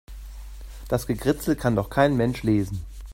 Das Gekritzel kann doch kein Mensch lesen.